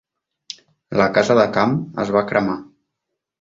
La casa de camp es va cremar.